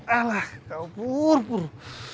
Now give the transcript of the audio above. alah kau buru buru